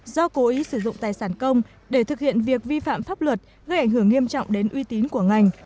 do cố ý sử dụng tài sản công để thực hiện việc vi phạm pháp luật gây ảnh hưởng nghiêm trọng đến uy tín của ngành